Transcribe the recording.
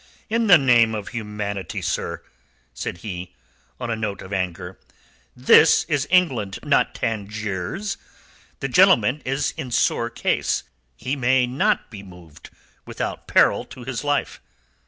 "In the name of humanity, sir!" said he, on a note of anger. "This is England, not Tangiers. The gentleman is in sore case. He may not be moved without peril to his life."